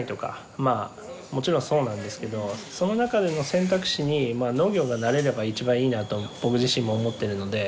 まあもちろんそうなんですけどその中での選択肢に農業がなれれば一番いいなと僕自身も思ってるので。